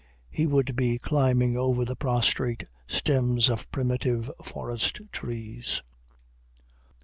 He would be climbing over the prostrate stems of primitive forest trees.